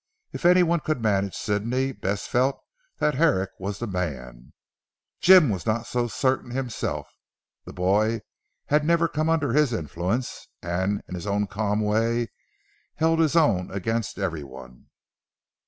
If any one could manage Sidney, Bess felt that Herrick was the man. Jim was not so certain himself. The boy had never come under his influence, and in his own calm way held his own against everyone.